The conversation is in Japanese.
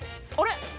あれ？